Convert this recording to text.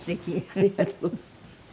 ありがとうございます。